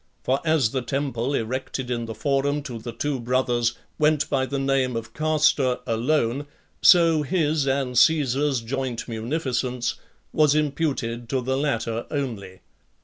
For as the temple erected in the Forum to the two brothers, went by the name of Castor alone, so his and Caesar's joint munificence was imputed to the latter only.